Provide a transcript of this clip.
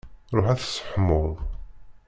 Ṛuḥ ad tseḥmuḍ.